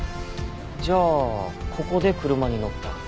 じゃあここで車に乗った。